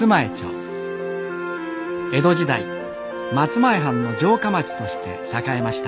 江戸時代松前藩の城下町として栄えました。